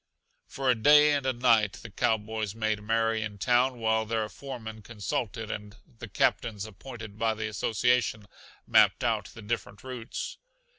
For a day and a night the cowboys made merry in town while their foremen consulted and the captains appointed by the Association mapped out the different routes.